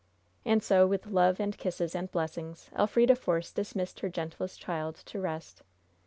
And so, with love and kisses and blessings, Elfrida Force dismissed her gentlest child to rest.